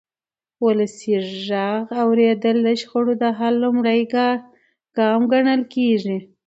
ولسي غږ اورېدل د شخړو د حل لومړنی ګام ګڼل کېږي